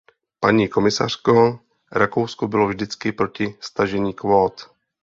Paní komisařko, Rakousko bylo vždycky proti stažení kvót.